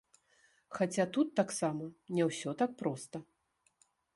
Хаця тут таксама не ўсё так проста.